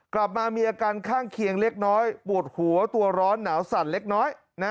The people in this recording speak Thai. กลับมามีอาการข้างเคียงเล็กน้อยปวดหัวตัวร้อนหนาวสั่นเล็กน้อย